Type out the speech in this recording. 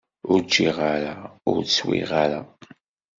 Ur ččiɣ ara, ur swiɣ ara.